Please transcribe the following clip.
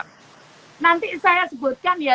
nanti saya sebutkan ya